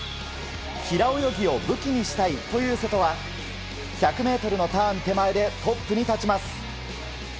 平泳ぎを武器にしたいという瀬戸は１００ｍのターン手前でトップに立ちます。